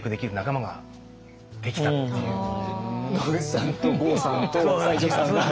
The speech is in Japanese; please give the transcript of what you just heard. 野口さんと郷さんと西城さんが。